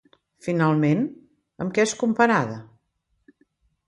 Finalment, amb què és comparada?